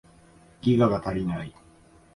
ギガが足りない